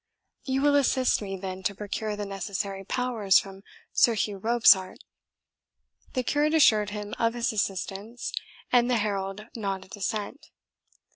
You will assist me then to procure the necessary powers from Sir Hugh Robsart?" The curate assured him of his assistance, and the herald nodded assent.